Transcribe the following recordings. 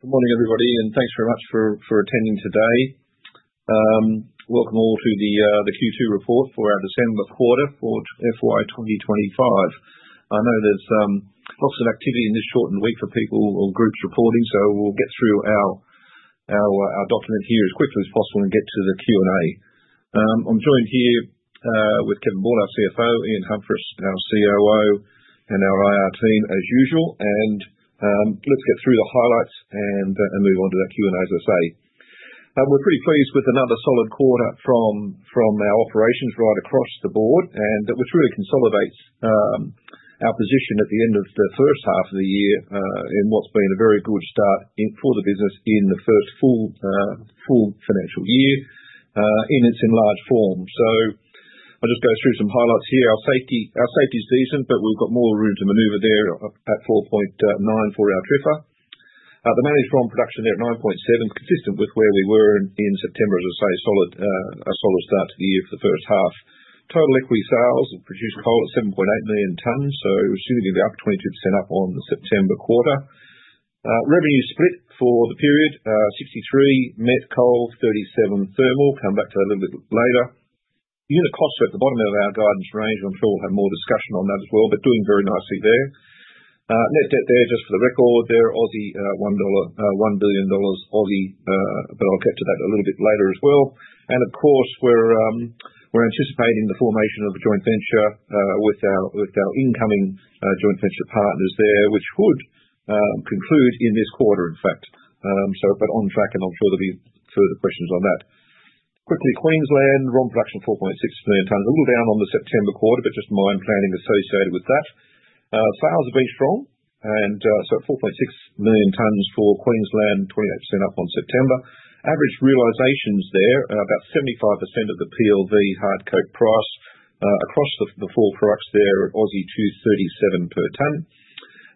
Good morning, everybody, and thanks very much for attending today. Welcome all to the Q2 report for our December quarter for FY 2025. I know there's lots of activity in this shortened week for people or groups reporting, so we'll get through our document here as quickly as possible and get to the Q&A. I'm joined here with Kevin Ball, our CFO, Ian Humphris, our COO, and our IR team, as usual. Let's get through the highlights and move on to that Q&A, as I say. We're pretty pleased with another solid quarter from our operations right across the board, and that which really consolidates our position at the end of the first half of the year, in what's been a very good start for the business in the first full financial year, in its enlarged form. So I'll just go through some highlights here. Our safety's decent, but we've got more room to maneuver there at 4.9 for our TRIFR. The managed ROM production there at 9.7, consistent with where we were in September, as I say, solid, a solid start to the year for the first half. Total equity saleable production coal at 7.8 million tons, so we're assuming it'll be up 22% on the September quarter. Revenue split for the period, 63% met coal, 37% thermal. Come back to that a little bit later. Unit costs are at the bottom of our guidance range. I'm sure we'll have more discussion on that as well, but doing very nicely there. Net debt there, just for the record, there, 1 billion Aussie dollars, but I'll get to that a little bit later as well. And of course, we're anticipating the formation of a joint venture with our incoming joint venture partners there, which would conclude in this quarter, in fact. But on track, and I'm sure there'll be further questions on that. Quickly, Queensland ROM production of 4.6 million tons, a little down on the September quarter, but just mine planning associated with that. Sales have been strong, and so at 4.6 million tons for Queensland, 28% up on September. Average realizations there about 75% of the PLV hard coking coal price across the four products there, 37 per ton.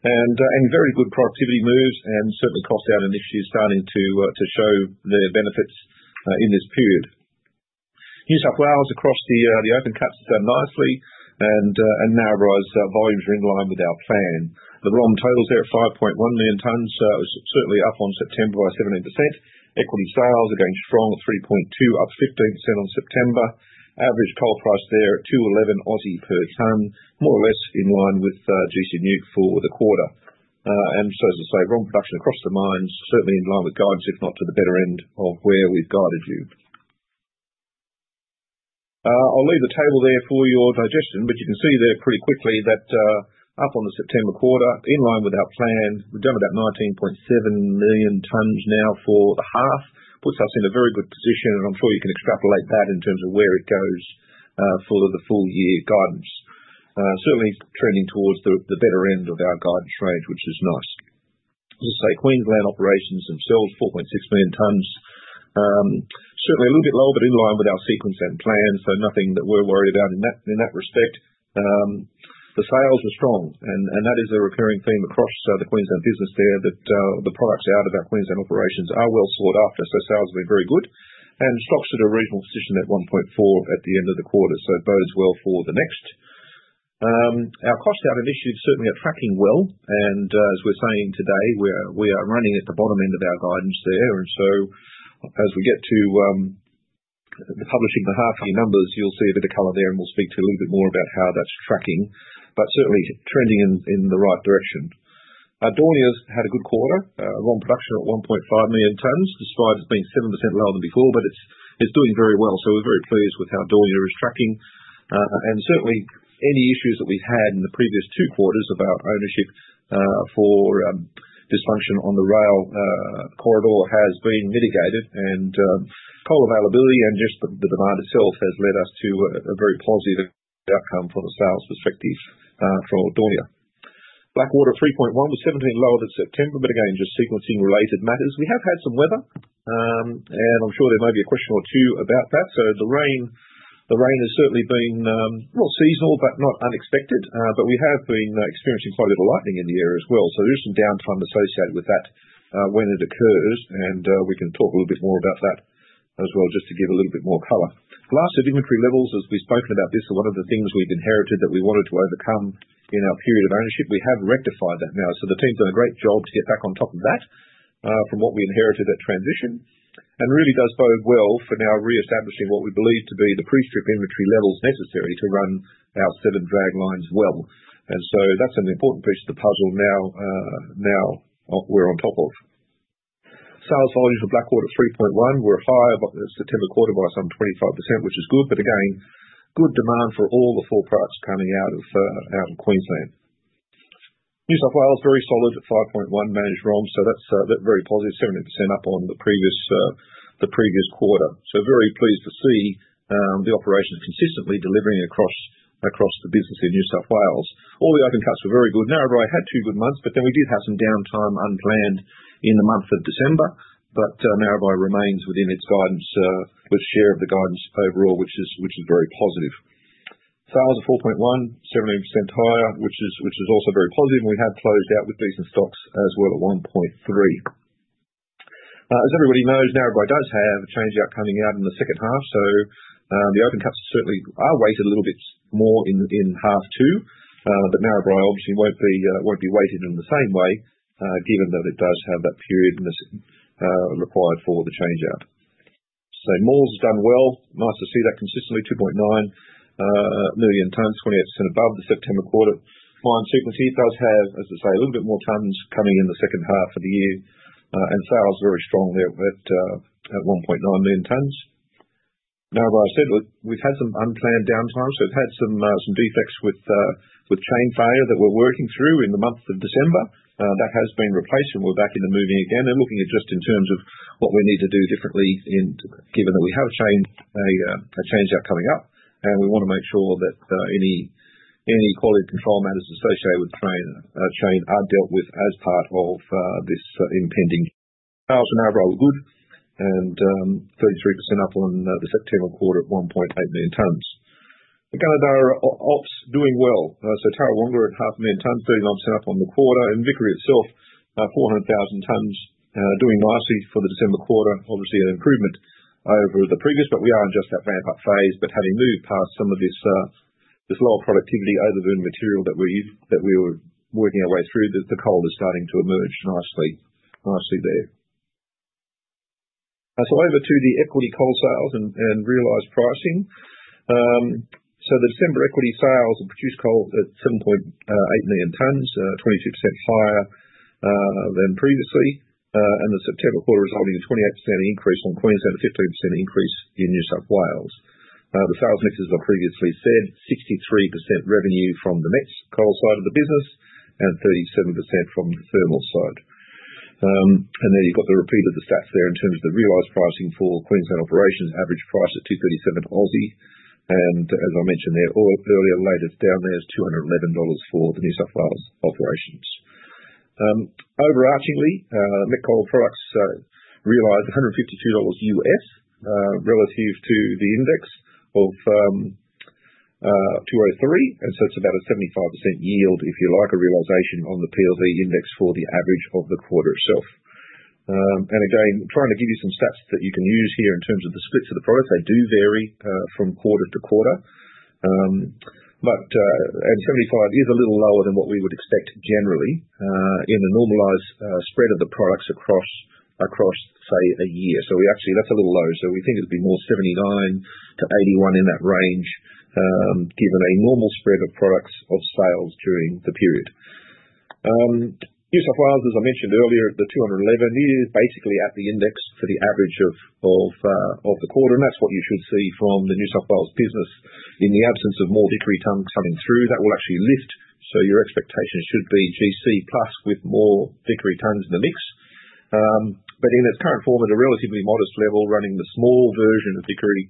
And very good productivity moves, and certainly cost-down initiatives is starting to show their benefits in this period. New South Wales across the open cuts has done nicely, and Narrabri volumes are in line with our plan. The ROM totals there at 5.1 million tons was certainly up on September by 17%. Export sales are going strong, 3.2 up 15% on September. Average coal price there at 211 per ton, more or less in line with gC NEWC for the quarter. And so, as I say, ROM production across the mines certainly in line with guidance, if not to the better end of where we've guided you. I'll leave the table there for your digestion, but you can see there pretty quickly that, up on the September quarter, in line with our plan, we've done about 19.7 million tons now for the half, puts us in a very good position, and I'm sure you can extrapolate that in terms of where it goes for the full year guidance. Certainly trending towards the better end of our guidance range, which is nice. As I say, Queensland operations themselves, 4.6 million tons, certainly a little bit lower, but in line with our sequence and plan, so nothing that we're worried about in that, in that respect. The sales are strong, and, and that is a recurring theme across, the Queensland business there, that, the products out of our Queensland operations are well sought after, so sales have been very good, and stocks at a reasonable position at 1.4 at the end of the quarter, so bodes well for the next. Our cost out initiative certainly are tracking well, and, as we're saying today, we are running at the bottom end of our guidance there, and so as we get to the publishing the half year numbers, you'll see a bit of color there, and we'll speak to a little bit more about how that's tracking, but certainly trending in the right direction. Daunia's had a good quarter, ROM production at 1.5 million tons, despite it being 7% lower than before, but it's doing very well, so we're very pleased with how Daunia is tracking. Certainly any issues that we've had in the previous two quarters about ownership or dysfunction on the rail corridor has been mitigated, and coal availability and just the demand itself has led us to a very positive outcome from a sales perspective for Daunia. Blackwater 3.1 was 17 lower than September, but again, just sequencing related matters. We have had some weather, and I'm sure there may be a question or two about that. So the rain, the rain has certainly been, not seasonal, but not unexpected, but we have been experiencing quite a bit of lightning in the area as well, so there's some downtime associated with that, when it occurs, and, we can talk a little bit more about that as well, just to give a little bit more color. Goonyella inventory levels, as we've spoken about this, are one of the things we've inherited that we wanted to overcome in our period of ownership. We have rectified that now, so the team's done a great job to get back on top of that, from what we inherited that transition, and really does bode well for now reestablishing what we believe to be the pre-strip inventory levels necessary to run our seven draglines well. And so that's an important piece of the puzzle now, now we're on top of. Sales volume for Blackwater 3.1, we're higher September quarter by some 25%, which is good, but again, good demand for all the four products coming out of, out of Queensland. New South Wales very solid at 5.1 managed ROM, so that's, that very positive, 17% up on the previous, the previous quarter, so very pleased to see the operations consistently delivering across, across the business in New South Wales. All the open cuts were very good. Narrabri had two good months, but then we did have some downtime unplanned in the month of December, but Narrabri remains within its guidance, with share of the guidance overall, which is very positive. Sales of 4.1, 17% higher, which is also very positive, and we have closed out with decent stocks as well at 1.3. As everybody knows, Narrabri does have a changeout coming out in the second half, so the open cuts certainly are weighted a little bit more in half two, but Narrabri obviously won't be weighted in the same way, given that it does have that period missing required for the changeout. So Maules Creek has done well, nice to see that consistently, 2.9 million tons, 28% above the September quarter. Mine sequence, it does have, as I say, a little bit more tons coming in the second half of the year, and sales very strong there at 1.9 million tons. Narrabri, we had some unplanned downtime, so we had some defects with chain failure that we're working through in the month of December. That has been replaced, and we're back into moving again, and looking at just in terms of what we need to do differently given that we have a chain changeout coming up, and we want to make sure that any quality control matters associated with [audio distorion] the chain are dealt with as part of this impending. Sales for Narrabri were good, and 33% up on the September quarter at 1.8 million tons. The Gunnedah Ops doing well, so Tarrawonga at 500,000 tons, 39% up on the quarter, and Vickery itself, 400,000 tons, doing nicely for the December quarter, obviously an improvement over the previous, but we are in just that ramp-up phase, but having moved past some of this, this lower productivity over the material that we've, that we were working our way through, the, the coal is starting to emerge nicely there. So over to the export coal sales and realized pricing. The December export sales and produced coal at 7.8 million tons, 22% higher than previously, and the September quarter resulting in a 28% increase on Queensland and 15% increase in New South Wales. The sales mix as I previously said, 63% revenue from the met coal side of the business and 37% from the thermal side. There you've got the repeat of the stats there in terms of the realized pricing for Queensland operations, average price at 237, and as I mentioned there, or earlier, latest down there is 211 dollars for the New South Wales operations. Overarchingly, met coal products realized $152, relative to the index of 203, and so it's about a 75% yield, if you like, a realization on the PLV index for the average of the quarter itself. Again, trying to give you some stats that you can use here in terms of the splits of the products, they do vary from quarter to quarter, but, and 75 is a little lower than what we would expect generally, in the normalized spread of the products across, say, a year. So we actually, that's a little low, so we think it'd be more 79-81 in that range, given a normal spread of products of sales during the period. New South Wales, as I mentioned earlier, the 211 is basically at the index for the average of the quarter, and that's what you should see from the New South Wales business. In the absence of more Vickery tons coming through, that will actually lift. So your expectation should be gC plus with more Vickery tons in the mix. But in its current form, at a relatively modest level, running the small version of Vickery,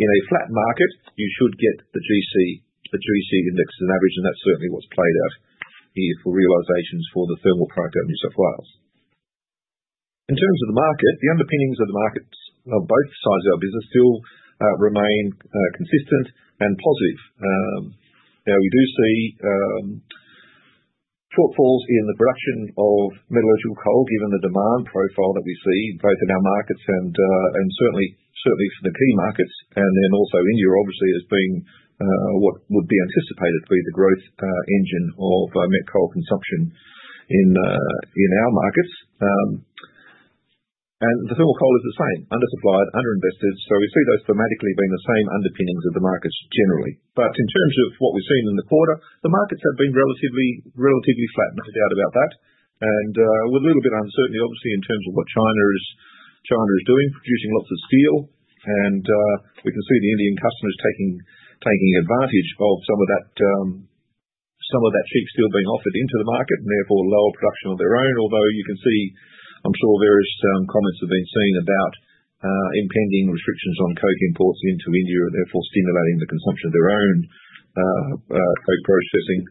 in a flat market, you should get the gC, the gC Index as an average, and that's certainly what's played out here for realizations for the thermal product out of New South Wales. In terms of the market, the underpinnings of the markets on both sides of our business still remain consistent and positive. Now we do see shortfalls in the production of metallurgical coal given the demand profile that we see both in our markets and certainly for the key markets, and then also in Europe, obviously, as being what would be anticipated to be the growth engine of met coal consumption in our markets. The thermal coal is the same, undersupplied, underinvested, so we see those thematically being the same underpinnings of the markets generally. In terms of what we've seen in the quarter, the markets have been relatively flat, no doubt about that, and with a little bit of uncertainty, obviously, in terms of what China is doing, producing lots of steel, and we can see the Indian customers taking advantage of some of that cheap steel being offered into the market, and therefore lower production on their own, although you can see, I'm sure various comments have been seen about impending restrictions on coke imports into India, and therefore stimulating the consumption of their own coke processing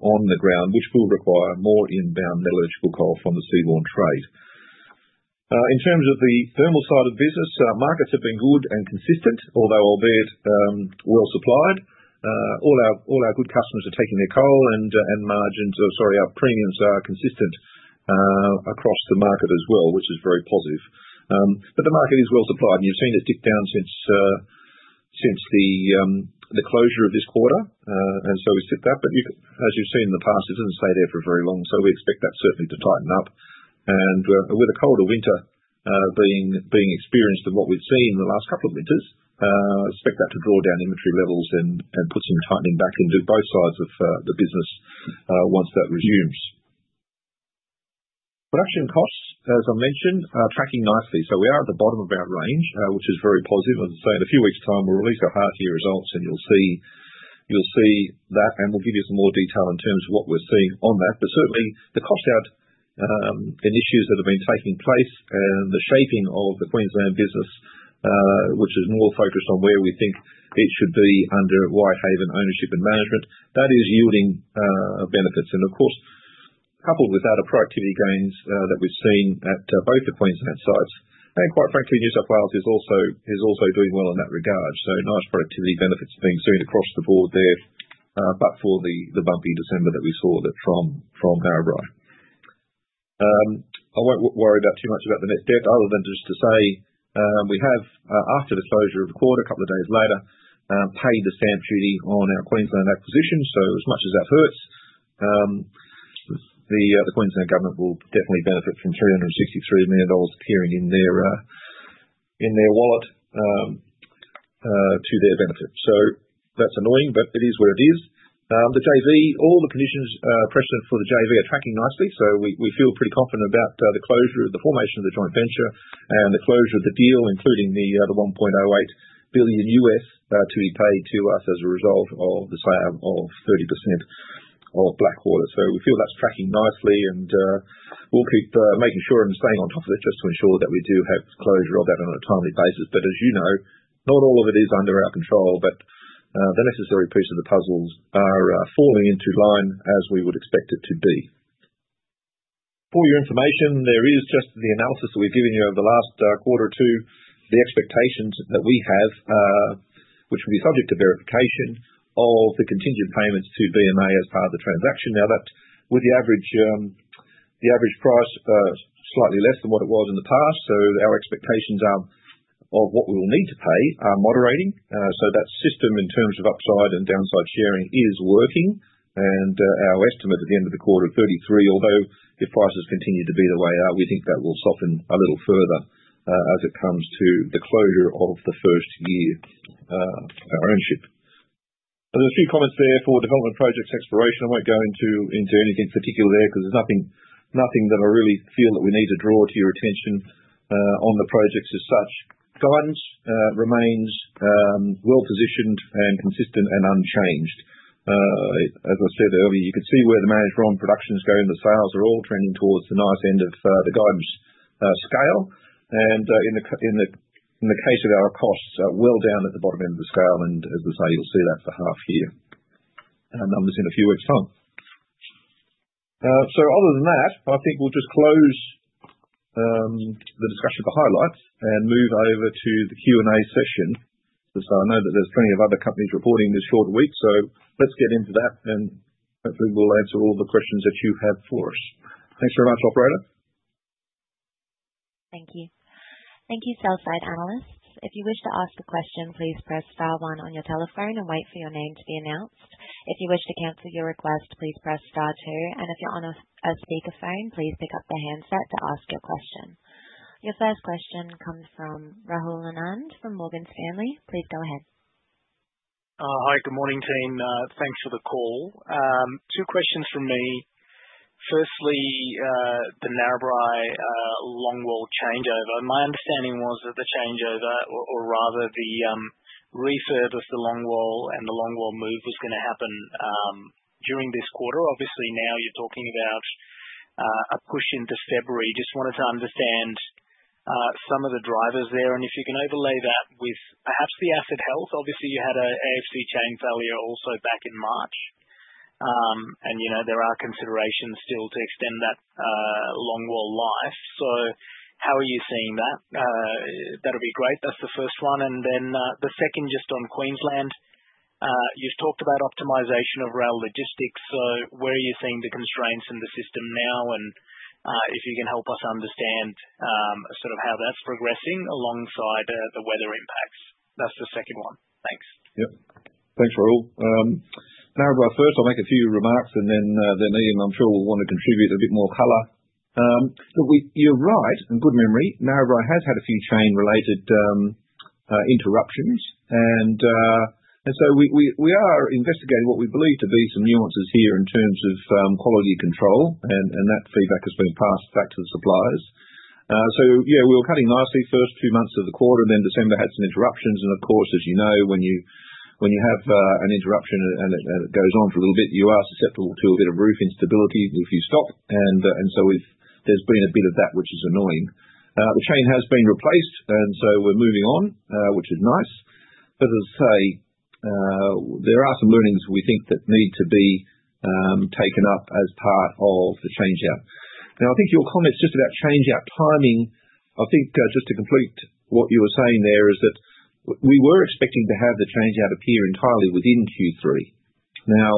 on the ground, which will require more inbound metallurgical coal from the seaborne trade. In terms of the thermal side of the business, markets have been good and consistent, although albeit well supplied. All our good customers are taking their coal, and margins, or sorry, our premiums are consistent across the market as well, which is very positive. But the market is well supplied, and you've seen it tick down since the closure of this quarter, and so we've tipped that. But you can, as you've seen in the past, it doesn't stay there for very long, so we expect that certainly to tighten up. With a colder winter being experienced than what we've seen in the last couple of winters, expect that to draw down inventory levels and put some tightening back into both sides of the business, once that resumes. Production costs, as I mentioned, are tracking nicely, so we are at the bottom of our range, which is very positive. As I say, in a few weeks' time, we'll release our half year results, and you'll see, you'll see that, and we'll give you some more detail in terms of what we're seeing on that, but certainly the cost out, and issues that have been taking place, and the shaping of the Queensland business, which is more focused on where we think it should be under Whitehaven ownership and management, that is yielding benefits, and of course, coupled with that, a productivity gains that we've seen at both the Queensland sites, and quite frankly, New South Wales is also, is also doing well in that regard, so nice productivity benefits being seen across the board there, but for the bumpy December that we saw from Narrabri. I won't worry too much about the net debt other than just to say, we have, after the closure of the quarter, a couple of days later, paid the stamp duty on our Queensland acquisition, so as much as that hurts, the Queensland government will definitely benefit from 363 million dollars appearing in their wallet, to their benefit, so that's annoying, but it is what it is. The JV, all the conditions precedent for the JV are tracking nicely, so we feel pretty confident about the closure of the formation of the joint venture and the closure of the deal, including the $1.08 billion to be paid to us as a result of the sale of 30% of Blackwater, so we feel that's tracking nicely, and we'll keep making sure and staying on top of it just to ensure that we do have closure of that on a timely basis, but as you know, not all of it is under our control, but the necessary pieces of the puzzle are falling into line as we would expect it to be. For your information, there is just the analysis that we've given you over the last quarter or two, the expectations that we have, which will be subject to verification of the contingent payments to BMA as part of the transaction. Now, with the average price slightly less than what it was in the past, so our expectations of what we will need to pay are moderating, so that system in terms of upside and downside sharing is working, and our estimate at the end of the quarter of 33, although if prices continue to be the way out, we think that will soften a little further, as it comes to the closure of the first year of our ownership. There's a few comments there for development projects exploration. I won't go into anything particular there because there's nothing that I really feel that we need to draw to your attention on the projects as such. Guidance remains well positioned and consistent and unchanged. As I said earlier, you can see where the managed ROM productions go and the sales are all trending towards the nice end of the guidance scale, and in the case of our costs, well down at the bottom end of the scale, and as I say, you'll see that for half year numbers in a few weeks' time. So other than that, I think we'll just close the discussion for highlights and move over to the Q&A session. So I know that there's plenty of other companies reporting this short week, so let's get into that and hopefully we'll answer all the questions that you have for us. Thanks very much, operator. Thank you. Thank you, sell-side analysts. If you wish to ask a question, please press star one on your telephone and wait for your name to be announced. If you wish to cancel your request, please press star two, and if you're on a speakerphone, please pick up the handset to ask your question. Your first question comes from Rahul Anand from Morgan Stanley. Please go ahead. Hi, good morning team. Thanks for the call. Two questions from me. Firstly, the Narrabri longwall changeover. My understanding was that the changeover, or rather the refurbish the longwall and the longwall move was going to happen during this quarter. Obviously now you're talking about a push into February. Just wanted to understand some of the drivers there, and if you can overlay that with perhaps the asset health. Obviously you had a AFC chain failure also back in March, and you know there are considerations still to extend that, longwall life. So how are you seeing that? That'd be great. That's the first one. And then, the second just on Queensland, you've talked about optimization of rail logistics, so where are you seeing the constraints in the system now, and, if you can help us understand, sort of how that's progressing alongside, the weather impacts. That's the second one. Thanks. Yep. Thanks, Rahul. Narrabri first, I'll make a few remarks and then, Ian, I'm sure we'll want to contribute a bit more color. Look, we, you're right, and good memory. Narrabri has had a few chain-related interruptions, and so we are investigating what we believe to be some nuances here in terms of quality control, and that feedback has been passed back to the suppliers. So yeah, we were cutting nicely first two months of the quarter, and then December had some interruptions, and of course, as you know, when you have an interruption and it goes on for a little bit, you are susceptible to a bit of roof instability if you stop, and so we've. There's been a bit of that which is annoying. The chain has been replaced, and so we're moving on, which is nice, but as I say, there are some learnings we think that need to be taken up as part of the changeout. Now I think your comments just about changeout timing, I think, just to complete what you were saying there is that we were expecting to have the changeout appear entirely within Q3. Now,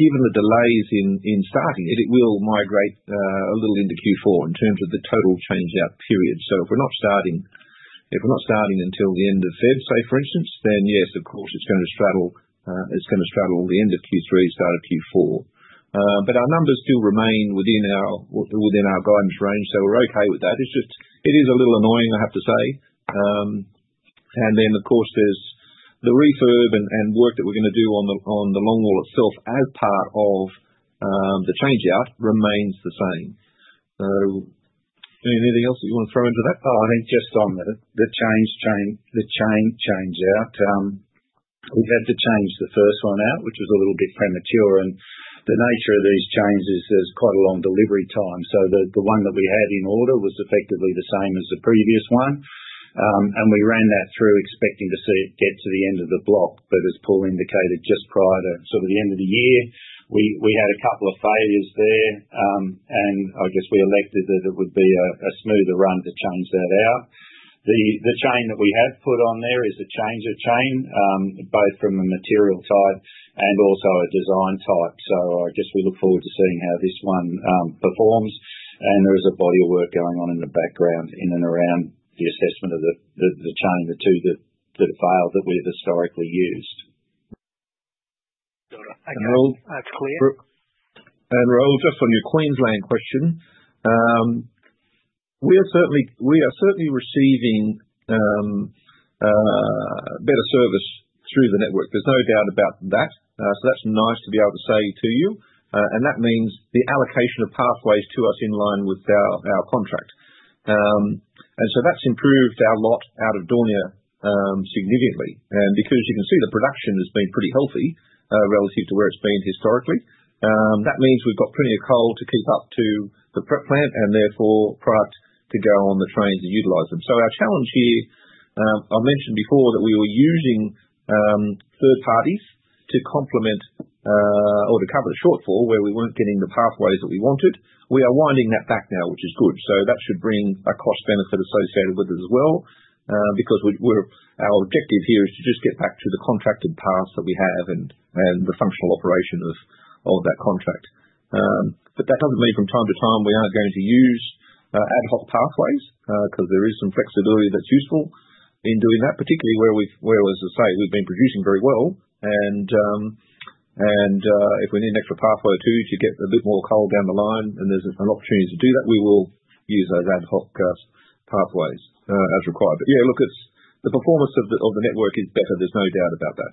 given the delays in starting it, it will migrate a little into Q4 in terms of the total changeout period, so if we're not starting until the end of February, say for instance, then yes, of course it's going to straddle the end of Q3, start of Q4. But our numbers still remain within our guidance range, so we're okay with that. It's just it is a little annoying, I have to say, and then of course there's the refurb and work that we're going to do on the longwall itself as part of the changeout remains the same. Ian, anything else that you want to throw into that? Oh, I think just on the chain changeout, we had to change the first one out, which was a little bit premature, and the nature of these changes is there's quite a long delivery time, so the one that we had in order was effectively the same as the previous one, and we ran that through expecting to see it get to the end of the block, but as Paul indicated, just prior to sort of the end of the year, we had a couple of failures there, and I guess we elected that it would be a smoother run to change that out. The chain that we have put on there is a change of chain, both from a material type and also a design type, so I guess we look forward to seeing how this one performs, and there is a body of work going on in the background in and around the assessment of the chain, the two that have failed that we've historically used. Got it. Okay. That's clear. And Rahul, just on your Queensland question, we are certainly receiving better service through the network. There's no doubt about that, so that's nice to be able to say to you, and that means the allocation of pathways to us in line with our contract. And so that's improved our lot out of Daunia, significantly, and because you can see the production has been pretty healthy, relative to where it's been historically, that means we've got plenty of coal to keep up to the prep plant and therefore product to go on the trains and utilize them. So our challenge here, I mentioned before that we were using third parties to complement or to cover the shortfall where we weren't getting the pathways that we wanted. We are winding that back now, which is good, so that should bring a cost benefit associated with it as well, because we're our objective here is to just get back to the contracted path that we have and the functional operation of that contract. But that doesn't mean from time to time we aren't going to use ad hoc pathways, because there is some flexibility that's useful in doing that, particularly, as I say, we've been producing very well and if we need an extra pathway or two to get a bit more coal down the line and there's an opportunity to do that, we will use those ad hoc pathways as required. But yeah, look, it's the performance of the network is better. There's no doubt about that.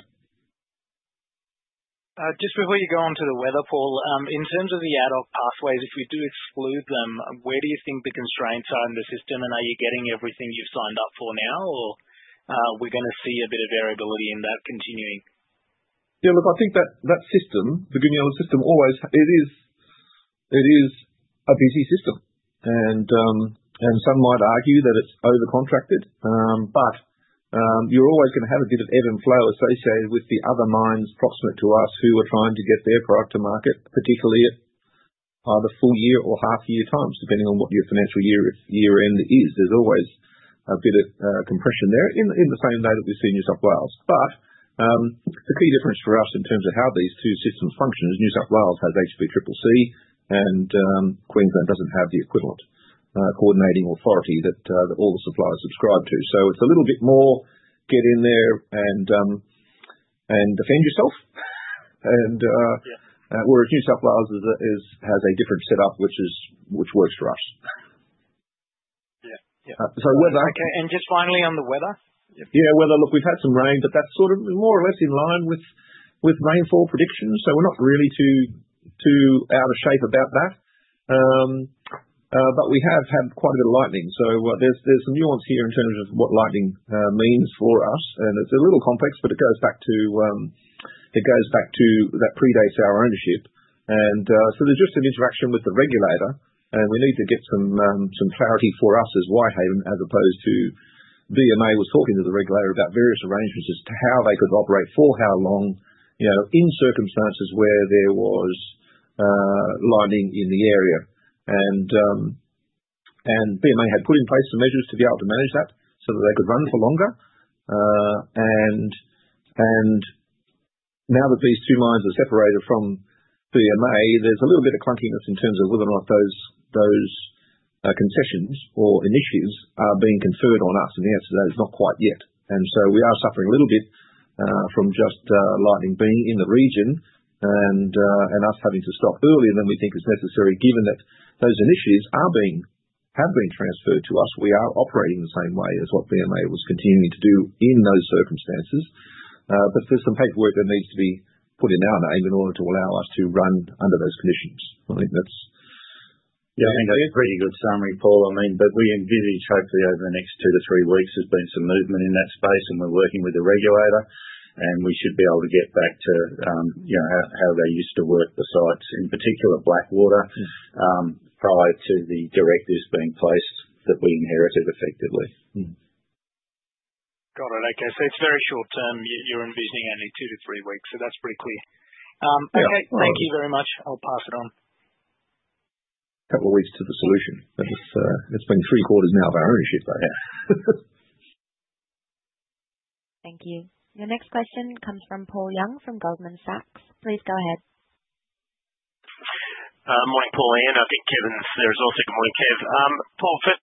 Just before you go on to the web poll, in terms of the ad hoc pathways, if we do exclude them, where do you think the constraints are in the system and are you getting everything you've signed up for now or are we going to see a bit of variability in that continuing? Yeah, look, I think that system, the Goonyella system, always, it is a busy system and some might argue that it's overcontracted, but you're always going to have a bit of ebb and flow associated with the other mines proximate to us who are trying to get their product to market, particularly at either full year or half year times, depending on what your financial year year end is. There's always a bit of compression there in the same way that we've seen New South Wales, but the key difference for us in terms of how these two systems function is New South Wales has HVCCC and Queensland doesn't have the equivalent coordinating authority that all the suppliers subscribe to, so it's a little bit more get in there and defend yourself and whereas New South Wales has a different setup which works for us. Yeah, yeah. So weather. Okay. And just finally on the weather. Yeah, weather, look, we've had some rain, but that's sort of more or less in line with rainfall predictions, so we're not really too out of shape about that. But we have had quite a bit of lightning, so there's some nuance here in terms of what lightning means for us and it's a little complex, but it goes back to that predates our ownership, and so there's just an interaction with the regulator and we need to get some clarity for us as Whitehaven as opposed to BMA was talking to the regulator about various arrangements as to how they could operate for how long, you know, in circumstances where there was lightning in the area. And BMA had put in place some measures to be able to manage that so that they could run for longer, and now that these two mines are separated from BMA, there's a little bit of clunkiness in terms of whether or not those concessions or initiatives are being conferred on us and the answer to that is not quite yet. And so we are suffering a little bit from just lightning being in the region and us having to stop earlier than we think is necessary given that those initiatives have been transferred to us. We are operating the same way as what BMA was continuing to do in those circumstances, but there's some paperwork that needs to be put in our name in order to allow us to run under those conditions. I think that's. Yeah, I think that's a pretty good summary, Paul. I mean, but we envisage hopefully over the next two to three weeks there's been some movement in that space and we're working with the regulator and we should be able to get back to, you know, how, how they used to work the sites, in particular Blackwater, prior to the directives being placed that we inherited effectively. Got it. Okay. So it's very short term. You're envisioning only two to three weeks, so that's pretty clear. Okay. Thank you very much. I'll pass it on. Couple of weeks to the solution, but it's been three quarters now of our ownership, though. Yeah. Thank you. Your next question comes from Paul Young from Goldman Sachs. Please go ahead. Good morning, Paul. Ian. I think Kevin's there as well. So good morning, Kev. Paul, first,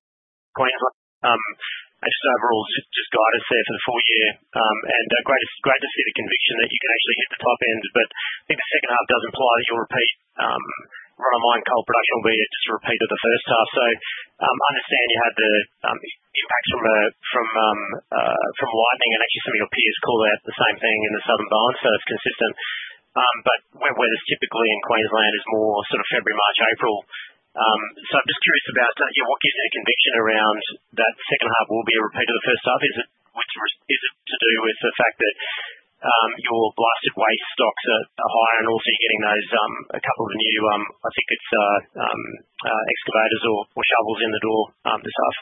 Queensland, I overall guided us there for the full year, and great to see the conviction that you can actually hit the top end, but I think the second half does imply that you'll repeat run-of-mine coal production, albeit just a repeat of the first half. So, understand you had impacts from lightning and actually some of your peers call out the same thing in the Southern Bowen, so it's consistent, but where there's typically in Queensland is more sort of February, March, April, so I'm just curious about, you know, what gives you the conviction around that second half will be a repeat of the first half? Is it to do with the fact that your blasted waste stocks are higher and also you're getting those couple of the new, I think it's excavators or shovels in the door this half?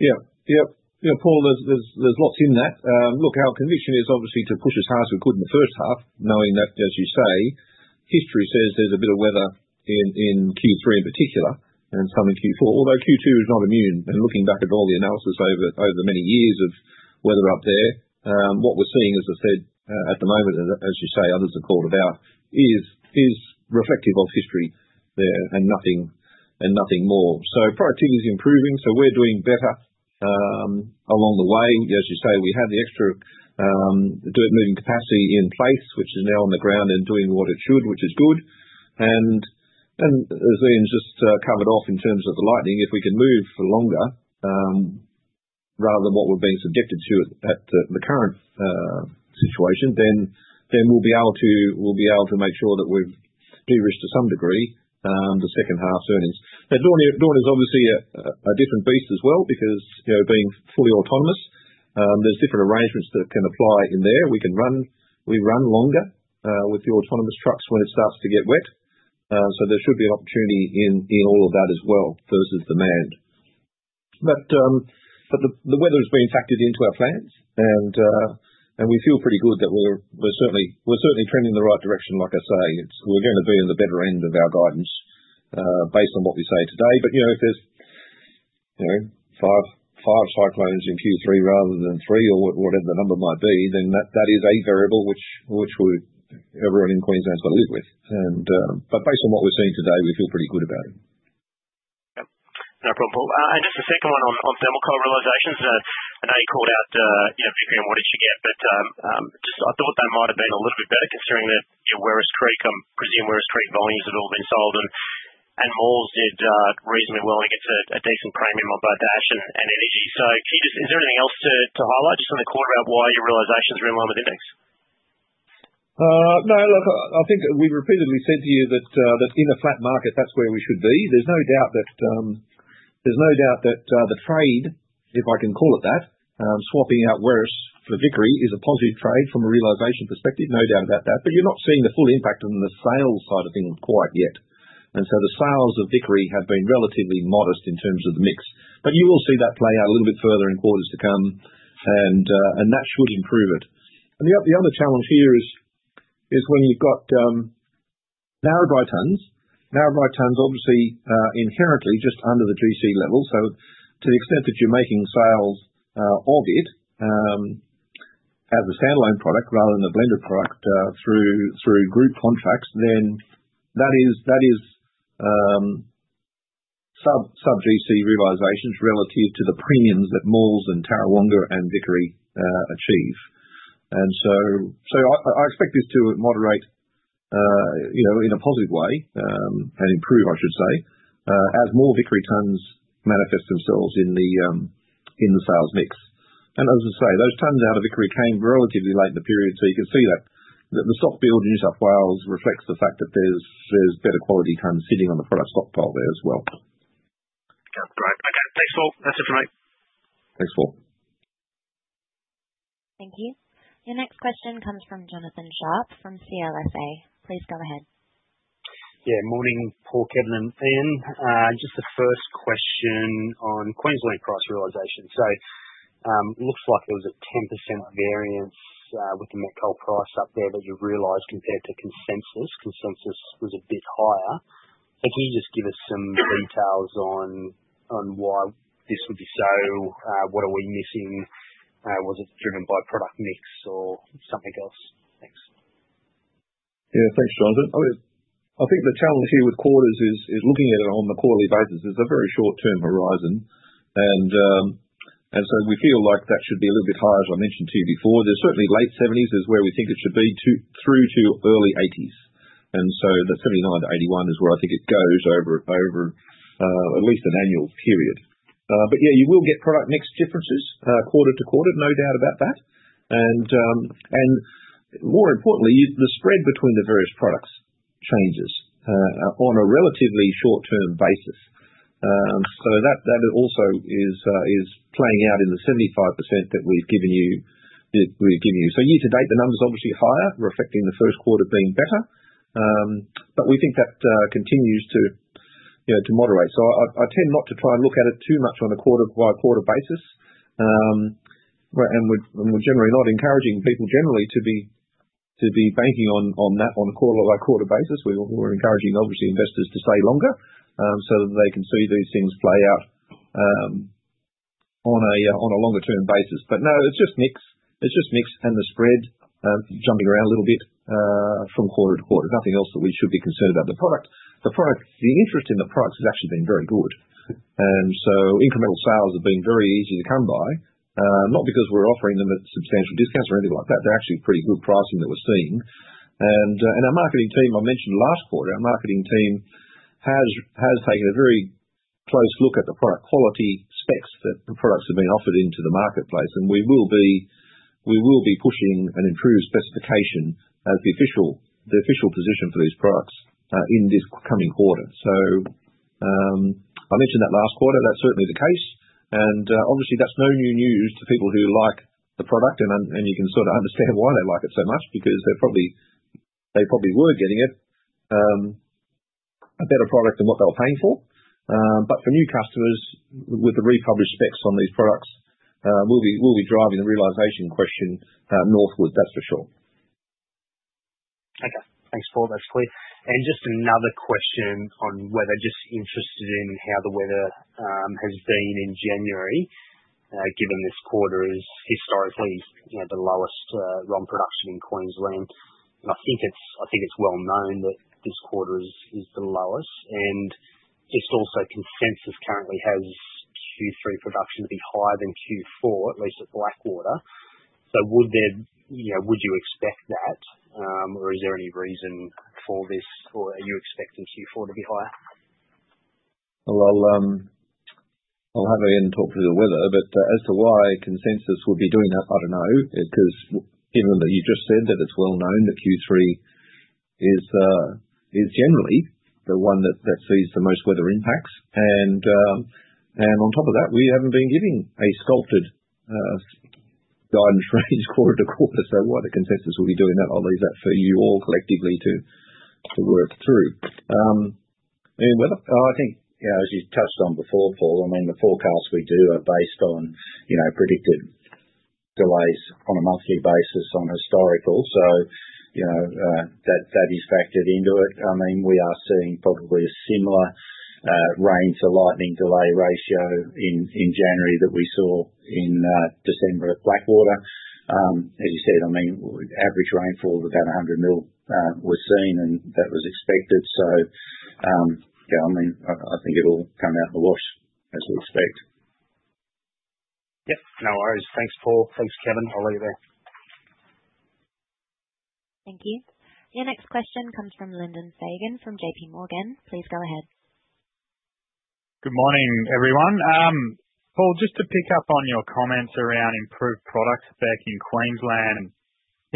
Yeah, yep. Yeah, Paul, there's lots in that. Look, our conviction is obviously to push as hard as we could in the first half, knowing that, as you say, history says there's a bit of weather in Q3 in particular and some in Q4, although Q2 is not immune. And looking back at all the analysis over the many years of weather up there, what we're seeing, as I said, at the moment, as you say, others have called about is reflective of history there and nothing more. So productivity is improving, so we're doing better along the way. As you say, we had the extra direct moving capacity in place, which is now on the ground and doing what it should, which is good. And as Ian just covered off in terms of the longwall, if we can move for longer, rather than what we've been subjected to at the current situation, then we'll be able to make sure that we've de-risked to some degree the second half's earnings. Now, Daunia, Daunia's obviously a different beast as well because, you know, being fully autonomous, there's different arrangements that can apply in there. We run longer with the autonomous trucks when it starts to get wet, so there should be an opportunity in all of that as well versus demand. But the weather has been factored into our plans and we feel pretty good that we're certainly trending in the right direction. Like I say, it's, we're going to be in the better end of our guidance, based on what we say today. But you know, if there's, you know, five, five cyclones in Q3 rather than three or whatever the number might be, then that, that is a variable which, which we're, everyone in Queensland's got to live with. But based on what we're seeing today, we feel pretty good about it. Yep. No problem, Paul, and just the second one on, on thermal coal realizations, I know you called out, you know, Vickery and what did you get, but, just I thought they might have been a little bit better considering that, you know, Werris Creek, presumably Werris Creek volumes have all been sold and, and Maules Creek did reasonably well and I get a, a decent premium on both ash and, and energy. So, can you just, is there anything else to, to highlight just on the quarter about why your realizations really align with index? No, look, I think we've repeatedly said to you that, that in a flat market, that's where we should be. There's no doubt that, there's no doubt that, the trade, if I can call it that, swapping out Werris Creek for Vickery is a positive trade from a realization perspective, no doubt about that, but you're not seeing the full impact on the sales side of things quite yet. And so the sales of Vickery have been relatively modest in terms of the mix, but you will see that play out a little bit further in quarters to come and, and that should improve it. And the other challenge here is when you've got Narrabri tons, Narrabri tons obviously inherently just under the gC level. So to the extent that you're making sales of it as a standalone product rather than the blended product through group contracts, then that is sub gC realizations relative to the premiums that Maules Creek and Tarrawonga and Vickery achieve. And so I expect this to moderate, you know, in a positive way, and improve, I should say, as more Vickery tons manifest themselves in the sales mix. And as I say, those tons out of Vickery came relatively late in the period, so you can see that the stock build in New South Wales reflects the fact that there's better quality tons sitting on the product stockpile there as well. Yep. Great. Okay. Thanks, Paul. That's it for me. Thanks, Paul. Thank you. Your next question comes from Jonathan Sharp from CLSA. Please go ahead. Yeah. Morning, Paul, Kevin and Ian. Just the first question on Queensland price realization. So, looks like there was a 10% variance, with the met coal price up there that you realized compared to consensus. Consensus was a bit higher. So can you just give us some details on, on why this would be so, what are we missing? Was it driven by product mix or something else? Thanks. Yeah, thanks, Jonathan. I was, I think the challenge here with quarters is, is looking at it on the quarterly basis is a very short term horizon and, and so we feel like that should be a little bit higher, as I mentioned to you before. There's certainly late seventies is where we think it should be to through to early eighties. And so the 79-81 is where I think it goes over at least an annual period. But yeah, you will get product mix differences, quarter to quarter, no doubt about that. And more importantly, the spread between the various products changes on a relatively short term basis. So that also is playing out in the 75% that we've given you. So year to date, the numbers obviously higher, reflecting the first quarter being better. But we think that continues to, you know, to moderate. So I tend not to try and look at it too much on a quarter by quarter basis. And we're generally not encouraging people to be banking on that on a quarter-by-quarter basis. We were encouraging obviously investors to stay longer, so that they can see these things play out on a longer-term basis. But no, it's just mix and the spread jumping around a little bit from quarter to quarter. Nothing else that we should be concerned about. The product, the interest in the products has actually been very good. And so incremental sales have been very easy to come by, not because we're offering them at substantial discounts or anything like that. They're actually pretty good pricing that we're seeing. Our marketing team, I mentioned last quarter, our marketing team has taken a very close look at the product quality specs that the products have been offered into the marketplace. We will be pushing an improved specification as the official position for these products, in this coming quarter. So, I mentioned that last quarter, that's certainly the case. Obviously that's no new news to people who like the product and you can sort of understand why they like it so much because they're probably getting a better product than what they were paying for. But for new customers with the republished specs on these products, we'll be driving the realization question northward, that's for sure. Okay. Thanks, Paul. That's clear. And just another question on weather. Just interested in how the weather has been in January, given this quarter is historically, you know, the lowest ROM production in Queensland. And I think it's well known that this quarter is the lowest. And just also consensus currently has Q3 production to be higher than Q4, at least at Blackwater. So would you, you know, expect that, or is there any reason for this or are you expecting Q4 to be higher? Well, I'll hand it to Ian and talk through the weather, but as to why consensus would be doing that, I don't know, because given that you just said that it's well known that Q3 is generally the one that sees the most weather impacts. And on top of that, we haven't been giving a sculpted guidance range quarter to quarter. So why the consensus will be doing that, I'll leave that for you all collectively to work through. I mean, weather, I think, you know, as you touched on before, Paul, I mean, the forecasts we do are based on, you know, predicted delays on a monthly basis on historical. So, you know, that, that is factored into it. I mean, we are seeing probably a similar, rain to lightning delay ratio in January that we saw in December at Blackwater. As you said, I mean, average rainfall of about a hundred mil was seen and that was expected. So, yeah, I mean, I think it'll come out in the wash as we expect. Yep. No worries. Thanks, Paul. Thanks, Kevin. I'll leave it there. Thank you. Your next question comes from Lyndon Fagan from JPMorgan. Please go ahead. Good morning, everyone. Paul, just to pick up on your comments around improved products back in Queensland. And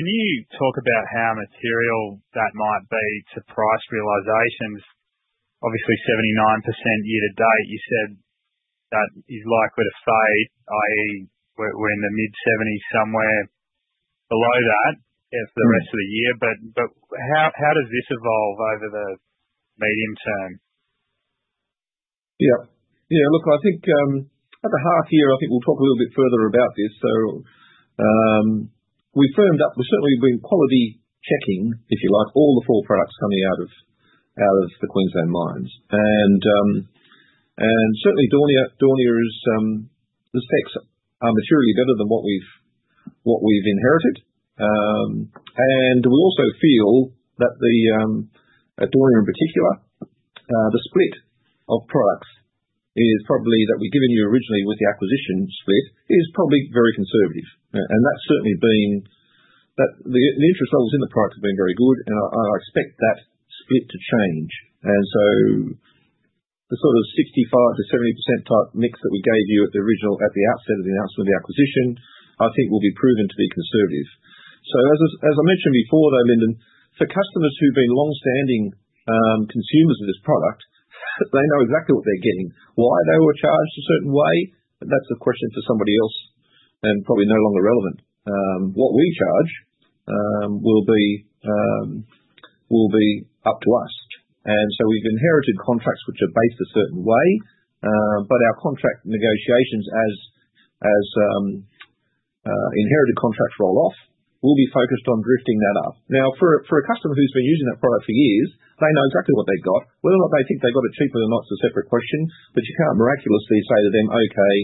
can you talk about how material that might be to price realizations? Obviously, 79% year to date, you said that is likely to fade, i.e., we're in the mid seventies somewhere below that for the rest of the year. But how does this evolve over the medium term? Yep. Yeah. Look, I think at the half year, I think we'll talk a little bit further about this. So, we firmed up. We've certainly been quality checking, if you like, all the four products coming out of the Queensland mines. And certainly Daunia is. The specs are materially better than what we've inherited. And we also feel that the Daunia in particular, the split of products is probably that we've given you originally with the acquisition split is probably very conservative. And that's certainly been the interest levels in the product have been very good. And I expect that split to change. And so the sort of 65%-70% type mix that we gave you at the original, at the outset of the announcement of the acquisition, I think will be proven to be conservative. So as I mentioned before though, Lyndon, for customers who've been longstanding consumers of this product, they know exactly what they're getting, why they were charged a certain way. But that's a question for somebody else and probably no longer relevant. What we charge will be up to us. And so we've inherited contracts which are based a certain way. But our contract negotiations as inherited contracts roll off, we'll be focused on drifting that up. Now, for a customer who's been using that product for years, they know exactly what they've got. Whether or not they think they've got it cheaper than not is a separate question, but you can't miraculously say to them, okay,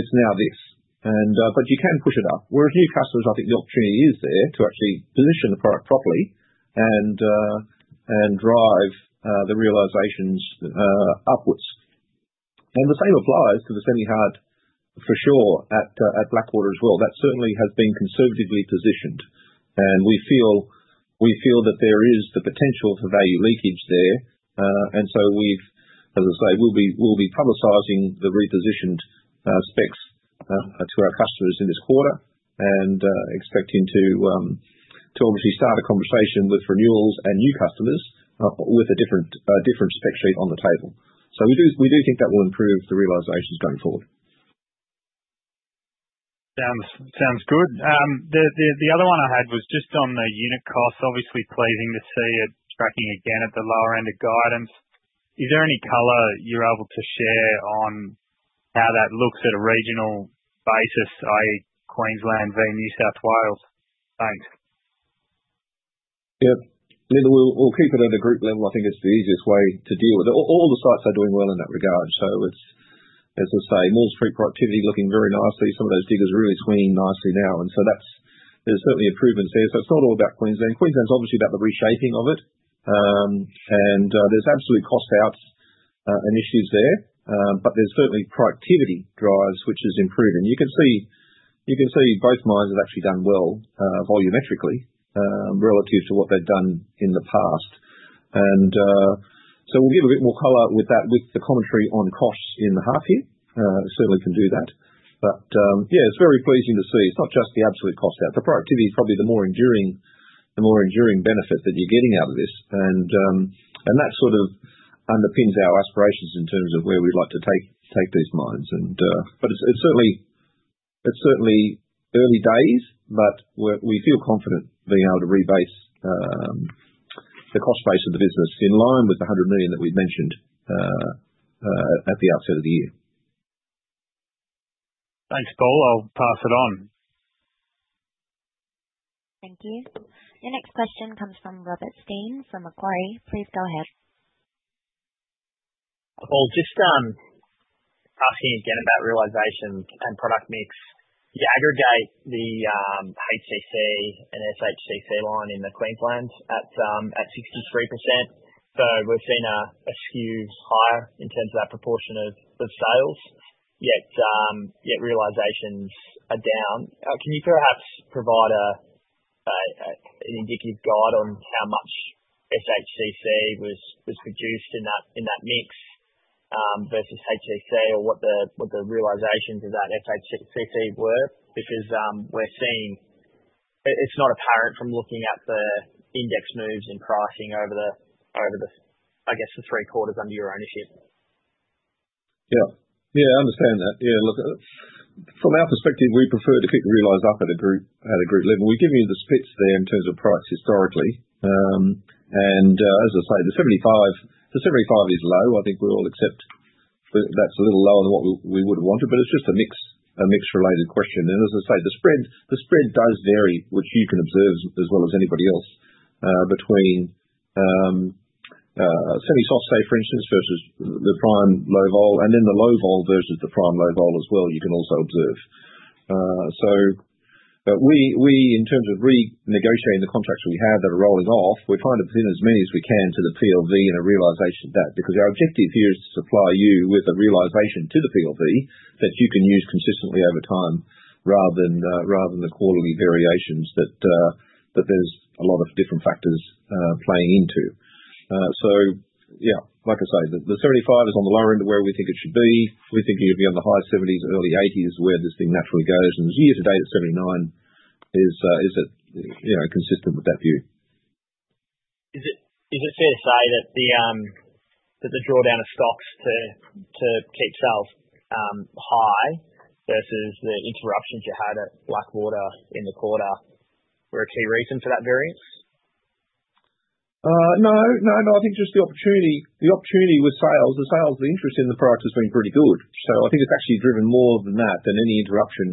it's now this. But you can push it up. Whereas new customers, I think the opportunity is there to actually position the product properly and drive the realizations upwards. And the same applies to the Semi Hard for sure at Blackwater as well. That certainly has been conservatively positioned. And we feel that there is the potential for value leakage there. And so we've, as I say, we'll be publicizing the repositioned specs to our customers in this quarter and expecting to obviously start a conversation with renewals and new customers with a different spec sheet on the table. So we do think that will improve the realizations going forward. Sounds good. The other one I had was just on the unit costs, obviously pleasing to see it tracking again at the lower end of guidance. Is there any color you're able to share on how that looks at a regional basis, i.e., Queensland v New South Wales? Thanks. Yep. Lyndon, we'll keep it at a group level. I think it's the easiest way to deal with it. All the sites are doing well in that regard. So it's, as I say, Maules Creek productivity looking very nicely. Some of those diggers are really swinging nicely now, and so that's, there's certainly improvements there. So it's not all about Queensland. Queensland's obviously about the reshaping of it, and there's absolutely cost out initiatives there, but there's certainly productivity drives which is improving. You can see, you can see both mines have actually done well volumetrically relative to what they've done in the past, and so we'll give a bit more color with that with the commentary on costs in the half year. Certainly can do that. But yeah, it's very pleasing to see. It's not just the absolute cost out. The productivity is probably the more enduring, the more enduring benefit that you're getting out of this, and that sort of underpins our aspirations in terms of where we'd like to take, take these mines. But it's certainly early days, but we feel confident being able to rebase the cost base of the business in line with the hundred million that we've mentioned at the outset of the year. Thanks, Paul. I'll pass it on. Thank you. Your next question comes from Robert Stein from Macquarie. Please go ahead. Paul, just asking again about realizations and product mix. You aggregate the HCC and SHCC line in Queensland at 63%. So we've seen a skew higher in terms of that proportion of sales, yet realizations are down. Can you perhaps provide an indicative guide on how much SHCC was produced in that mix, versus HCC or what the realizations of that SHCC were? Because we're seeing it's not apparent from looking at the index moves in pricing over the, I guess the three quarters under your ownership. Yeah. Yeah. I understand that. Yeah. Look, from our perspective, we prefer to pick the realize up at a group level. We're giving you the splits there in terms of price historically. And, as I say, the 75 is low. I think we all accept that's a little lower than what we would've wanted. But it's just a mix related question. And as I say, the spread does vary, which you can observe as well as anybody else between semi soft, say for instance, versus the prime low vol and then the low vol versus the prime low vol as well. You can also observe. So, we in terms of renegotiating the contracts we have that are rolling off, we're trying to put in as many as we can to the PLV and a realization of that. Because our objective here is to supply you with a realization to the PLV that you can use consistently over time rather than the quarterly variations that there's a lot of different factors playing into. So yeah, like I say, the 75 is on the lower end of where we think it should be. We think it'd be on the high seventies, early eighties is where this thing naturally goes. And as year to date, it's 79, is it, you know, consistent with that view. Is it fair to say that the drawdown of stocks to keep sales high versus the interruptions you had at Blackwater in the quarter were a key reason for that variance? No, no, no. I think just the opportunity with sales, the interest in the product has been pretty good. So I think it's actually driven more by that than any interruption,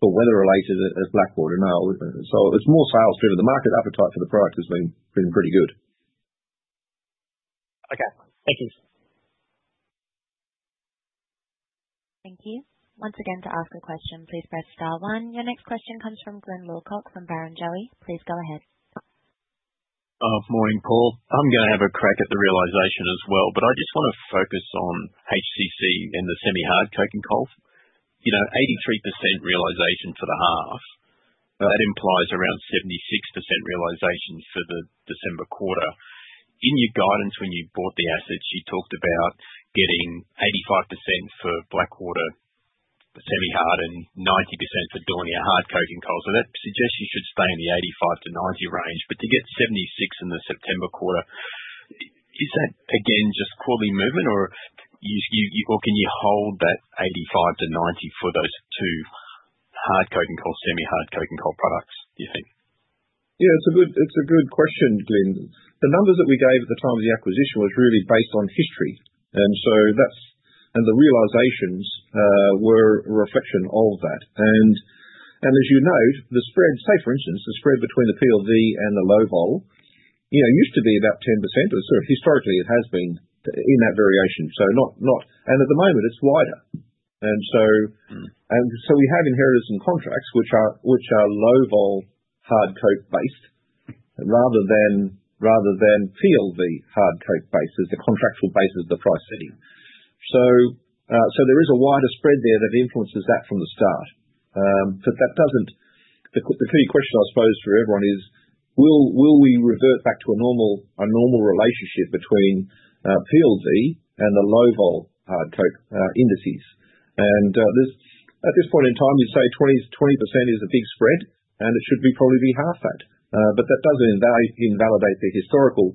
weather-related at Blackwater. No. So it's more sales driven. The market appetite for the product has been pretty good. Okay. Thank you. Thank you. Once again, to ask a question, please press star one. Your next question comes from Glyn Lawcock from Barrenjoey. Please go ahead. Oh, morning, Paul. I'm gonna have a crack at the realization as well, but I just wanna focus on HCC and the semi-hard coking coal. You know, 83% realization for the half, that implies around 76% realization for the December quarter. In your guidance when you bought the assets, you talked about getting 85% for Blackwater, Semi Hard, and 90% for Daunia hard coking coal. So that suggests you should stay in the 85%-90% range. But to get 76% in the September quarter, is that again just quarterly movement or can you hold that 85%-90% for those two hard coking coal, Semi Hard coking coal products, do you think? Yeah. It's a good question, Glyn. The numbers that we gave at the time of the acquisition was really based on history. And so that's, and the realizations, were a reflection of that. As you note, the spread, say for instance, the spread between the PLV and the low vol, you know, used to be about 10%. It was sort of historically, it has been in that variation. So, at the moment it's wider. And so we have inherent in contracts which are low vol hard coking coal based rather than PLV hard coking coal base as the contractual base of the price setting. So, there is a wider spread there that influences that from the start. But that doesn't. The key question I suppose for everyone is, will we revert back to a normal relationship between PLV and the low vol hard coking coal indices? There's at this point in time, you'd say 20% is a big spread and it should probably be half that. but that doesn't invalidate the historical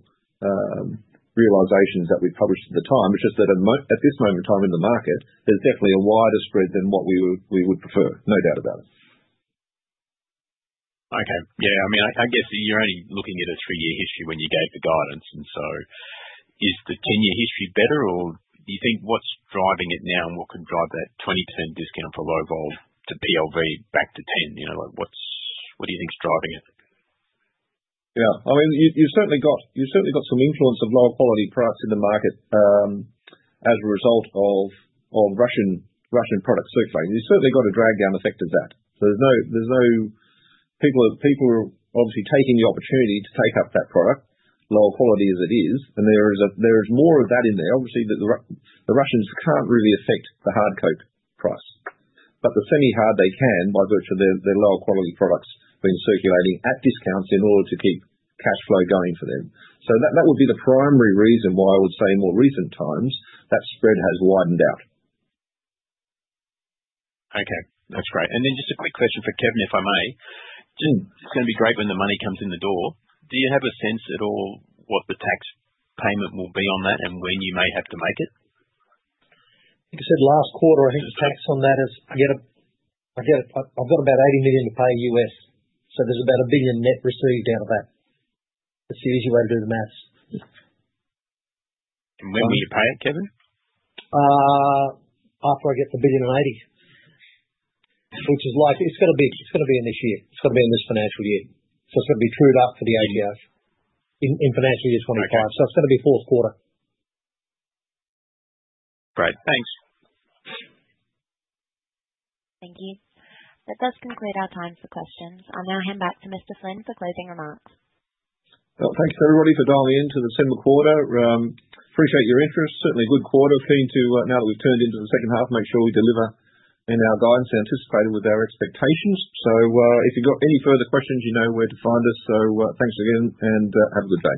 realizations that we published at the time. It's just that at this moment in time in the market, there's definitely a wider spread than what we would prefer. No doubt about it. Okay. Yeah. I mean, I guess you're only looking at a three-year history when you gave the guidance. And so is the 10-year history better or do you think what's driving it now and what can drive that 20% discount for low vol to PLV back to 10%? You know, like what do you think's driving it? Yeah. I mean, you've certainly got some influence of lower quality products in the market, as a result of Russian product circulating. You've certainly got a drag down effect of that. People are obviously taking the opportunity to take up that product lower quality as it is. And there is more of that in there. Obviously the Russians can't really affect the Hard Coke Price, but the Semi Hard they can by virtue of their lower quality products being circulating at discounts in order to keep cash flow going for them. That would be the primary reason why I would say in more recent times that spread has widened out. Okay. That's great. And then just a quick question for Kevin, if I may. It's gonna be great when the money comes in the door. Do you have a sense at all what the tax payment will be on that and when you may have to make it? Like I said, last quarter, I think the tax on that is I get a, I get a, I've got about $80 million to pay U.S. So there's about a $1 billion net received out of that. It's the easy way to do the maths. And when will you pay it, Kevin? After I get the $1 billion and $80 million, which is like, it's gonna be, it's gonna be in this year. It's gonna be in this financial year. So it's gonna be trued up for the ATO in, in financial year 2025. So it's gonna be fourth quarter. Great. Thanks. Thank you. That does conclude our time for questions. I'll now hand back to Mr. Flynn for closing remarks. Thanks to everybody for dialing in to the December quarter. Appreciate your interest. Certainly a good quarter. Keen to, now that we've turned into the second half, make sure we deliver in our guidance and anticipated with our expectations. So, if you've got any further questions, you know where to find us. So, thanks again and have a good day.